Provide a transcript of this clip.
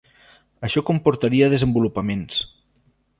Això comportaria desenvolupaments.